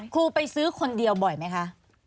ครูไปซื้อคนเดียวบ่อยไหมคะ